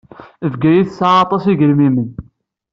Bgayet tesɛa aṭas igelmimen.